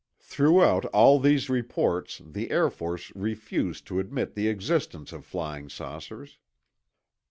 Throughout all these reports, the Air Force refused to admit the existence of flying saucers.